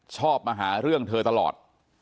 ชอบมาหาเรื่องเธอตลอด